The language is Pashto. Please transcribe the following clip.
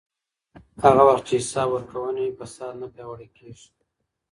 هغه وخت چې حساب ورکونه وي، فساد نه پیاوړی کېږي.